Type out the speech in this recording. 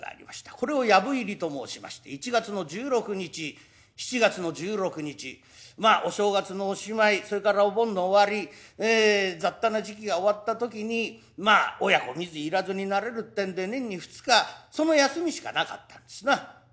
これを藪入りと申しまして１月の１６日７月の１６日まあお正月のおしまいそれからお盆の終わり雑多な時期が終わったときにまあ親子水入らずになれるってんで年に２日その休みしかなかったんですな。